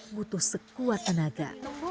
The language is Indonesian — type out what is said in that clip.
butuh sekuat tenaga